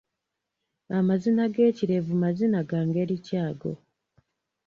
Amazina g’ekirevu mazina ga ngeri ki ago?